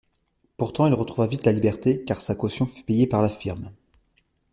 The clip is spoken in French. Pourtant, il retrouva vite la liberté car sa caution fut payée par la Firme.